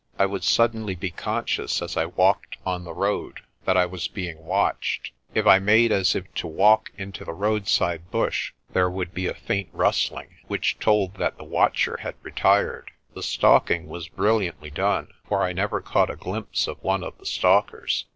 I would suddenly be con scious, as I walked on the road, that I was being watched. If I made as if to walk into the roadside bush there would be a faint rustling, which told that the watcher had retired. The stalking was brilliantly done, for I never caught a glimpse of one of the stalkers.